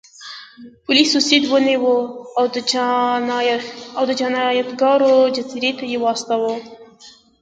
پولیسو سید ونیو او د جنایتکارانو جزیرې ته یې واستاوه.